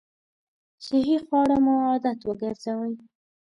صحي خواړه مو عادت وګرځوئ!